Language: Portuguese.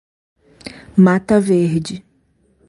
Mata Verde